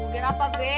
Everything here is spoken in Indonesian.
biar apa be